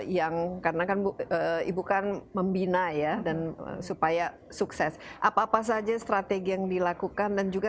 yang karena kan ibu kan membina ya dan supaya sukses apa apa saja strategi yang dilakukan dan juga